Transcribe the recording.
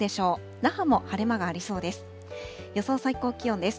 那覇も晴れ間がありそうです。